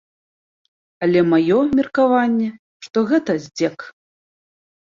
Але маё меркаванне, што гэта здзек.